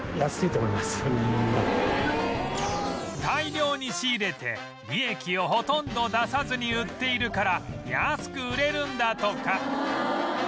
大量に仕入れて利益をほとんど出さずに売っているから安く売れるんだとか